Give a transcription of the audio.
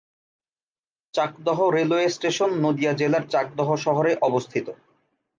Chakdaha railway station Nadia জেলার চাকদহ শহরে অবস্থিত।